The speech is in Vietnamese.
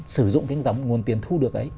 sử dụng cái giống nguồn tiền thu được ấy